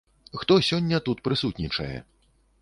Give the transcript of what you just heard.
Хто сёння тут прысутнічае?